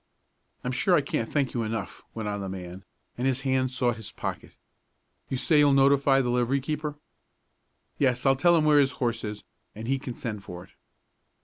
"I'm sure I can't thank you enough," went on the man, and his hand sought his pocket. "You say you'll notify the livery keeper?" "Yes, I'll tell him where his horse is, and he can send for it."